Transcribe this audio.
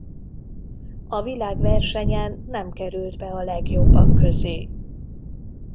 A világversenyen nem került be a legjobbak közé.